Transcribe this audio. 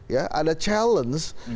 ya ada challenge